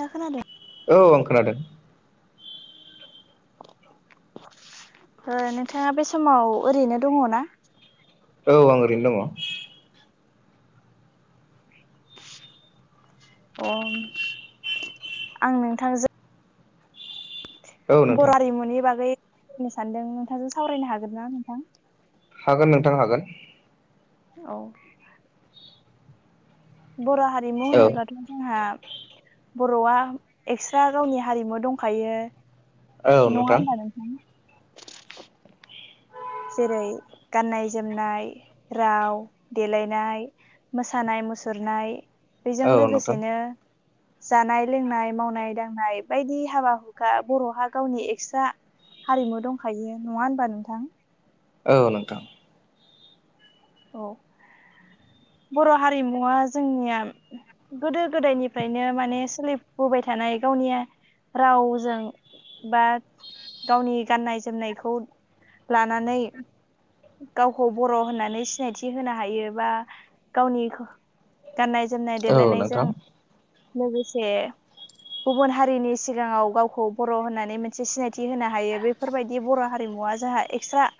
आं खोनादों औ आं खोनादों। नोंथाङा बे समाव ओरैनो दङ औ आं ओरैनो दङ। आं नोंथांजों। औ नोंथां बर' हारिमुनि बागैावरायनो सानदों नोंथांजों सावरायनो हागोन ना नोंथां? हागोन नोंथां हागोन। औ बर' हारिमु औ होनोब्लाथ' जोंहा बर'आ एक्सट्रा गावनि हारिमु दंखायो। औ नङा नोंथां होनबा जेरै गाननाय जोमनाय राव देलायनाय मोसानाय मुसुरनाय औ बेजों नोंथां लोगोसेनो [inaudible] जानाय लोंनाय मावनाय दांनाय बायदि हाबा हुखा बर'हा गावनि एक्सट्रा हारिमु दंखायो नङा होनबा नोंथां? औ नोंथां औ बर' हारिमुवा जोंनिया गोदो गोदायनिफ्रायनो माने सोलिबोबाय थानाय गावनि रावजों बा गावनि गाननाय जोमनायखौ लानानै गावखौ बर' होननानै सिनायथि होनो हायो बा गावनि गाननाय जोमनाय औ देलायनायजों नोंथां लोगोसे गुबुन हारिनि सिगाङाव गावखौ बर' होननानै मोनसे सिनायथि होनो हायो बे बेफोरबायदि बर' हारिमुवा जोंहा एक्सट्रा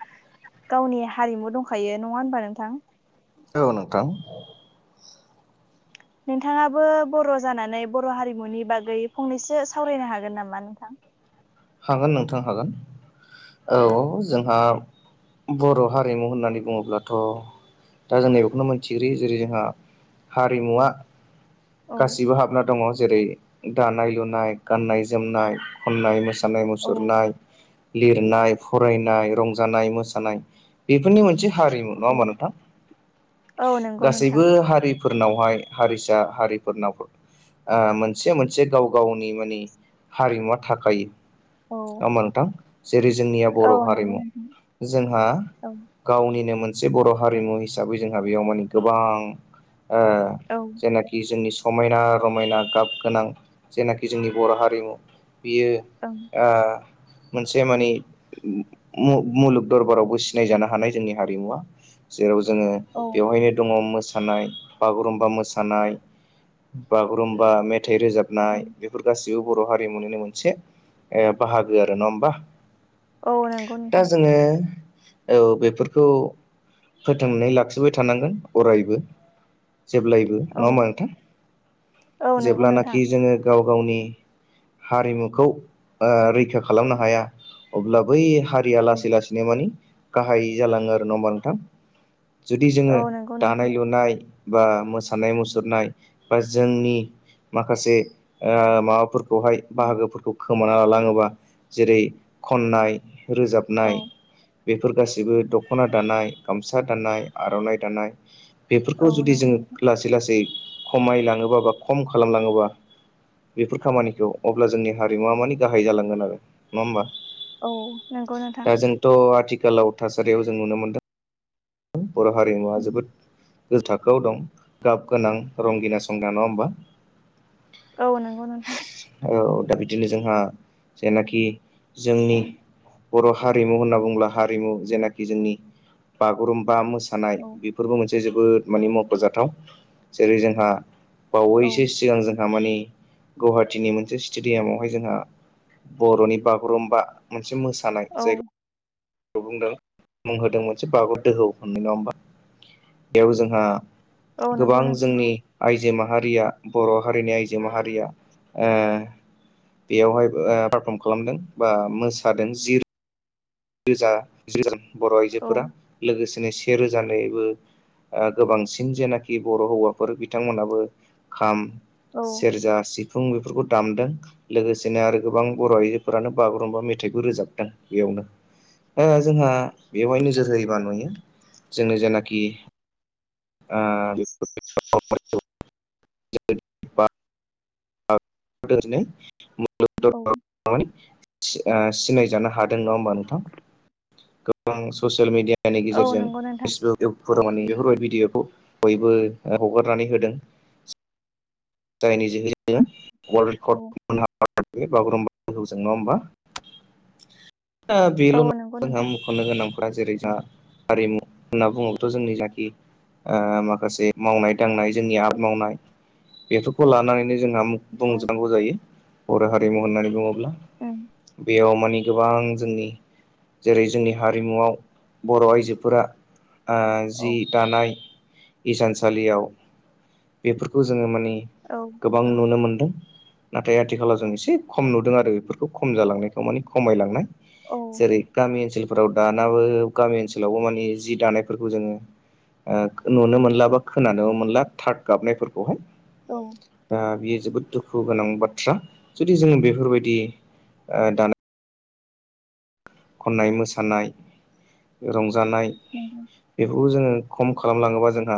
गावनि हारिमु दंखायो नङा होनबा नोंथां? औ नोंथां नोंथाङाबो बर' जानानै बर' हारिमुनि बागै फंनैसो सावरायनो हागोन नामा नोंथां? हागोन नोंथां हागोन। औ जोंहा बर' हारिमु होननानै बुङोब्लाथ' दा जों नैब बेखौनो मोनथिगो जेरै जोंहा हारिमुवा औ गासिबो हाबना दङ जेरै दानाय लुनाय गान्नाय जोमनाय खन्नाय मोसानाय। सानाय मुसुरनाय लिरनाय फरायनाय रंजानाय मोसानाय बेफोरनि मोनसे हारिमु नङा हबा नोंथां औ नंगौ नोंथां गासैबो हारि फोरनावहाय हारिसा हारिफोरनाव मोनसे मोनसे गाव गावनि माने हारिमुवा थाखायो। औ होमबा नोंथां जेरै जोंनिया औ बर' नंगौ हारिमु नोंथां जोंहा औ गावनिनो मोनसे बर' हारिमु हिसाबै जोंहा बेयाव माने गोबां ओ औ जेनाखि जोंनि समायना रमायना गाब गोनां जेनाखि जोंनि बर' हारिमु बियो [inaudible] ओ मोनसे मानि मुलुग दरबारावबो सिनायजानो हानाय जोंनि हारिमुवा जेराव जोङो औ बेवहायनो दङ मोस बागुरुमबा मोसानाय बागुरुमबा मेथाइ रोजाबनाय औ बेफोर गाससिबो बर' हारिमुनिनो मोनसे ओ बाहागो आरो नङा होमबा? औ नंगौ दा नोंथां जोङो औ बेफोरखौ फोथांनानै लाखिबाय थानांगोन अरायबो जेब्लायबो औ नङा होमबा नोंथां औ नंगौ नोंथां जेब्लानाखि जोङो गाव गावनि हारिमुखौ रैखा खालामनो हाया अब्ला बै हारिया औ लासै लासै मानि गाहाय जालाङो आरो ना होमबा नोंथां? जुदि जोङो औ नंगौ नोंथां दानाय लुनाय बा मोसानाय मुसुरनाय बा जोंनि माखासे माबाफोरखौ बेहाय बाहागोफोरखौ खोमाना लालाङोबा जेरै खन्नाय रोजाबनाय औ बेफोर गाैबो दख'ना दानाय गामसा दानाय आर'नाइ दानाय बेफोरखौ औ जुदि नंगौ जोङो नोंथां लासै लासै खमाय लाङोबा बा खम खालामलाङोबा बेफोर खामानिखौ अब्ला जोंनि हारिमुवा मानि गाहाय जालांगोन आरो नङा होमबा औ नंगौ नोंथां दा जोंथ' आथिखालाव थासारियाव जों नुनो मोनदों बर' हारिमुवा जोबोद गोजौ थाखोआव दं गाब गोनां रंगिना संगिना नङा होमबा औ नंगौ नोंथां औ दा बिदिनो जोंहा जेनाखि जोंनि बर' हारिमु होनना बुंङोब्ला हारिमु जेनाखि जोंनि बागुरुम्बा मोसानाय औ बेफोरबो मोनसे जोबोद माने मख'जाथाव जेरै जोंहा औ बावैसो सिगां जोंहा मानि गुवाहाटिनि मोनसे स्टेडियामावहाय जोंहा बर'नि बागुरुम्बा मोनसे मोसानाय औ जायगा जाय खौ बुंदों मुं होदों मोनसे बागुरुमबा दोहौ होननाय नङा होमबा बेयाव जोंहा औ गोबां नंगौ नोंथां जोंनि आइजो माहारिया बर' हारिनि आइजो माहारिया ओ बेयावहाय पारफर्म खालामदों बा मोसादों जि रोजा जि रोजा बर' औ आइजोफोरा लोगोसेनो से रोजानिबो गोबांसिन जेनाखि बर' हौवाफोर बिथांमोनाबो खाम औ सेरजा सिफुं बेफोरखौ दामदों लोगोसेनो आरो गोबां बर' आइजोफोरानो बागुरुमबा मेथाइबो रोजाबदों बेयावनो ओ जोंहा बेवहाय नोजोर होयोबा नुयो जोंनि जेनाखि आ [inaudible] गाखो गासिनो मुलुग औ दरबाराव [unintelligible] थार मानि सि [unintelligible] ओ सिनायजानो हादों नङा होमबा नोंथां गोबां ससियेल मिडिया यानि औ गेजेरजों नंगौ नोंथां फेसबुक इउतुबफोराव माने बेफोरबायदि भिडिअखौ बयबो हगारनानै होदों जायनि जोहै जोङो वर्ल्ड औ रेकर्ड मोन बागुरुम्बा दोहौजों नङा होमबा [unintelligible] आ बेल औ नंगौ नङा नोंथां [unintelligible] खनो गोनांफोरा जेरै जोंहा हारिमु होनना बुङोबथ' जोंनि जाखि आ माखासे मावनाय दांनाय जोंनि आबाद औ मावनाय बेफोरखौ लानानैनो जोंहा औ बुंजानांगौ जायो बर' हारिमु होननानै बुङोब्ला उम बेयाव मानि गोबां जोंनि जेरै जोंनि हारिमुआव बर' आइजोफोरा आ औ जि दानाय इसानसालियाव बेफोरखौ जोङो मानि औ गोबां नुनो मोनदों नाथाय आथिखालाव जों एसे खम नुदों आरो बेफोरखौ खम जालांनायखौ मानि खमायलांनाय औ जेरै गामि ओनसोलफोराव दानाबो गामि ओनसोलावबो माने जि दानायफोरखौ जोङो ओ नुनो मोनला बा खोनानो मोनला थार गाबनायफोरखौहाय औ ओ दा बियो जोबोद दुखु गोनां बाथ्रा जुदि जों बेफोरबायदि ओ दा खननाय मोसानाय रंजानाय उम उम बेफोरखौ जोङो खम खालामलाङोबा जोंहा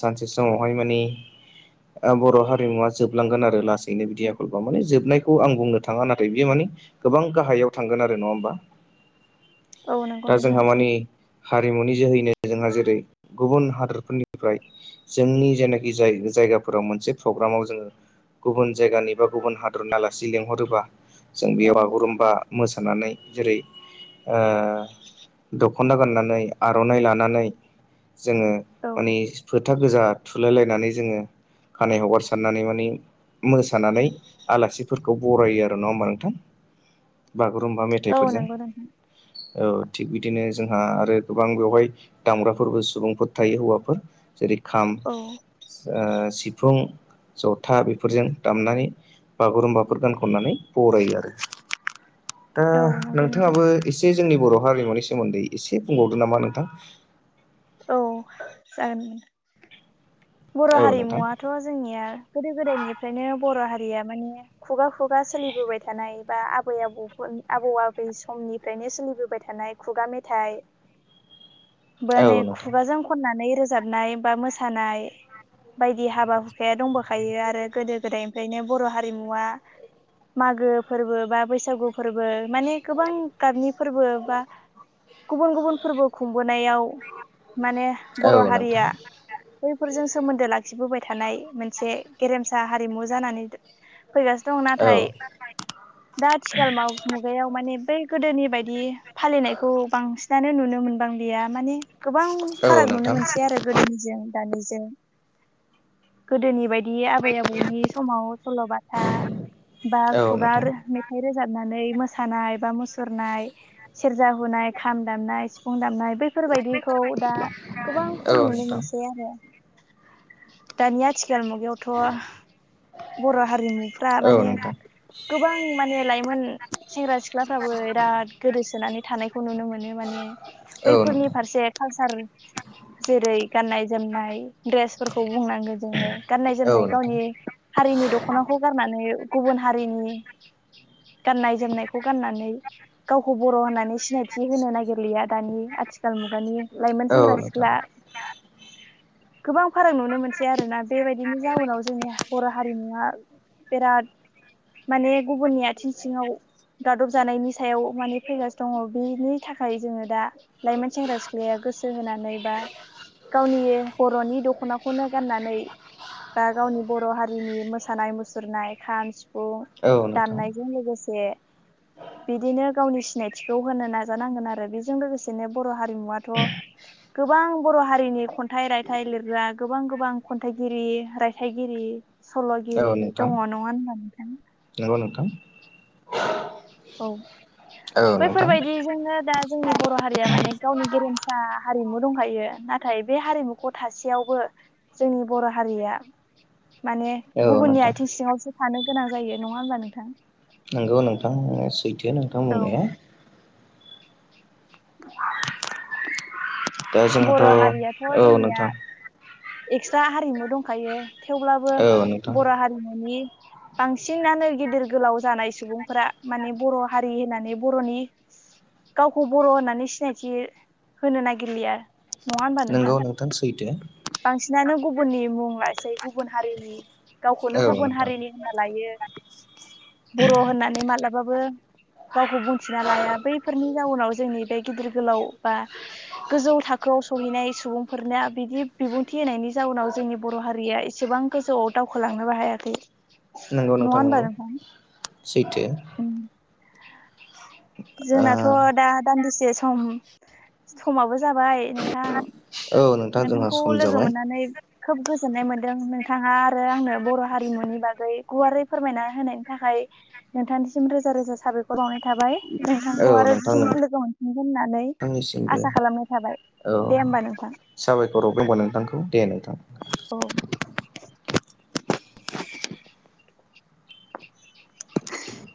सानसे समावहाय मानि बर' हारिमुवा जोबलांगोन आरो लासै नो बिदि औ आखल बा माने जोबनायखौ आं बुंनो थाङा नाथाय बियो माने गोबां गाहायाव थांगोन आरो नङा होमबा औ नंगौ दा नोंथां जोंहा मानि हारिमुनि जोहैनो जोंहा जेरै गुबुन हादरफोरनिफ्राय जोंनि जेनाखि जाय जायगाफोराव मोनसे प्रग्रामाव जोङो गुबुन जायगानि बा गुबुन हादरनि आलासि लेंंहरोबा जों औ बेयाव बागुरुम्बा मोजां मोसानानै जेरै दख'ना गाननानै आर'नाइ लानानै जोङो औ माने फोथा गोजा थुलायलायनानै जोङो खानाय हगारसारनानै माने मोसानानै आलासिफोरखौ बरायो आरो नङा होमबा नोंथां? बागुरुम्बा औ मेथाइफोरजों नंगौ नोंथां औ थिग बिदिनो जोंहा आरो गोबां बेवहाय दामग्राफोरबो सुबुंफोर थायो हौवाफोर जेरै खाम औ सिफुं जथा बेफोरजों दामनानै बागुरुम्बाफोर गानखननानै बरायो आरो। दा औ नंगौ नोंथां नोंथाङाबो एसे जोंनि बर' हारिमुनि सोमोन्दै एसे बुंबावदों नामा नोंथां? औ जागोन दे। बर' औ नोंथां हारिमुवाथ' जोंनिया गोदो गोदायनिफ्रायनो बर' हारिया माने खुगा खुगा सोलिबोबाय थानाय बा आबै आबौफोर आबौ आबै समनिफ्रायनो सोलिबोबाय थानाय। खुगा मेथाइ [inaudible] औ माने नोंथां खुगाजों खननानै रोजाबनाय बा मोसानाय बायदि हाबा हुखाया दंबोखायो आरो गोदो गोदायनिफ्रायनो बर' हारिमुवा मागो फोरबो बा बैसागु फोरबो माने गोबां गाबनि फोरबो बा गुबुन गुबुन फोरबो खुंबोनायाव माने औ‌ नोंथां। फोरजों सोमोन्दो लाखिबोबाय थानाय मोनसे गेरेमसा हारिमु जानानै फैगासिनो दङ औ नाथाय दा आथिखाल मुगायाव मानि बै गोदोनि बायदि फालिनायखौ बांसिनानो नुनो मोनबांलिया माने गोबां औ फाराग नुनो नोंथां मोनसै आरो। गोदोनिजों दानिजों गोदोनि बायदि आबै आबौनि समाव सल'बाथा बा औ खुगा नोंथां माइ ाइ रोजाबनानै मोसानाय बा मुसुरनाय सेरजा हुनाय खाम दामनाय सिफुं दामनाय बे बेफोरबायदिखौ दा गोबां औ खम नुनो नोंथां मोनसै आरो दानि आथिखाल मुगायावथ' बर' हारिमुफ्रा औ माने नोंथां गोबां माने लाइमोन। सेंग्रा सिख्लाफ्राबो बिराद गोदोसोनानै थानायखौ नुनो मोनो माने औ। बैफोरनि फारसे कालसार जेरै गाननाय जोमनाय द्रेसफोरखौ बुंनांगौ जोङो गाननाय औ जोमनाय नोंथां गावनि हारिनि दख'नाखौ गारनानै गुबुन हारिनि गाननाय जोमनायखौ गाननानै गावखौ बर' होननानै सिनायथि होनो नागिरलिया दानि आथिखाल मुगानि लाइमोन औ सेंग्रा नोंथां सिख्ला गोबां फाराग नुनो मोनसै आरो ना बेबायदिनि जाउनाव जोंनि बर' हारिमुवा बिराद माने गुबुननि आथिं सिङाव गादब जानायनि सायाव माने फैगासिनो दङ बिनि थाखाय जोङो दा लाइमोन सेंग्रा सिख्लाया गोसो होनानै बा गावनि बर'नि दख'नाखौनो गाननानै बा गावनि बर' हारिनि मोसानाय मुसुरनाय खाम खौ औ दाननायजों लोगोसे बिदिनो गावनि सिनायथिखौ होनो नाजानांगोन आरो बेजों लोगोसेनो बर' हारिमुवाथ' गोबां बर' हारिनि खन्थाइ राय थाइ लिरग्रा गोबां गोबां खन्थाइगिरि रायथाइगिरि नोंथां औ सल'गिरि नोंथां दंङो नंङा होनबा नोंथां नंगौ नोंथां औ औ नोंथां बैफोरबायदि जोंङो दा जोंनि बर' हारिया माने गावनि गेरेमसा हारिमु दंखायो नाथाय बे हारिमुखौ थासेयावबो जोंनि बर' हारिया माने औ गुबुननि नोंथां आथिं सिङांवसो थानो गोनां जायो नंङा होनबा नोंथां नोंगौ नोंथां सैथो नोंथां औ बुंनाया दा बर' हारियाथ' जोंहाथ' औ जोंनिया नोंथां एक्सट्रा हारिमु दंखायो थेवब्लाबो औ नोंथां बर' हारिमुनि बांसिनानो गिदिर गोलाव जानाय सुबुंफोरा माने बर' हारि होननानै बर'नि गावखौ बर' होननानै सिनायथि होनो नागिरलिया नङा होनबा नंगौ नोंथां सैथो बांसिनानो गुबुननि मुं लासै गुबुन हारिनि औ गावखौनो गुबुन नोंथां हारिनि होनना लायो बर' होननानै मालाबाबो गावखौ बुंथिना लाया बैफोरनि जाउनाव जोंनि बे गिदिर गोलाव बा गोजौ थाखोआव सहैनाय सुबुंफोरना बिदि बिबुंथि होनायनि जाउनाव जोंनि बर' हारिया एसेबां गोजौआव दावखोलांनोबो हायाखै नंगौ नङा नोंथां होनबा नंगौ सैथो जोंनाथ' दा दान्दिसे सम समाबो जाबाय नोंथां औ नोंथां जोंहा नोंथांखौ सम लोगो जाबाय मोननानै खोब गोजोननाय मोनदों नोंथांङा आरो आंनो बर' हारिमुनि बागै गुवारै फोरमायना होनायनि थाखाय नोंथांनिसिम रोजा रोजा साबायखर बावनाय थाबाय औ नोंथांखौ आरो नोंथां फिन लोगो मोनफिनगोन होननानै नोंथांनिसिमबो आसा खालामनाय थाबाय औ दे होमबा नोंथां साबायखर नोंथांखौ दे नोंथां औ [inaudible]